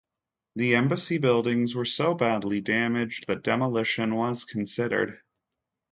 The embassy buildings were so badly damaged that demolition was considered.